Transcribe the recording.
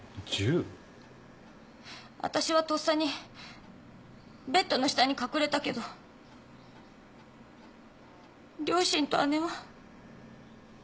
わたしはとっさにベッドの下に隠れたけど両親と姉は。